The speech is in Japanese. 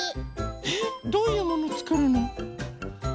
えどういうものつくるの？